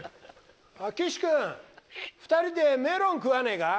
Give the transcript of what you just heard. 岸君２人でメロン食わねえか。